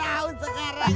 buat tahun sekarang